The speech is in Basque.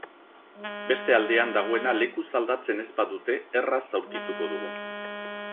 Beste aldean dagoena lekuz aldatzen ez badute erraz aurkituko dugu.